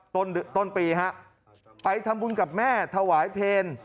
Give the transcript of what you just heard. ต้นต้นปีฮะไปทำบุญกับแม่ถวายเพล